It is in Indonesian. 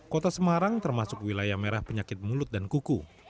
kota semarang termasuk wilayah merah penyakit mulut dan kuku